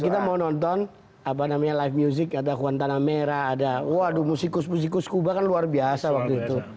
kita mau nonton apa namanya live music ada kuan tanah merah ada waduh musikus musikus kuba kan luar biasa waktu itu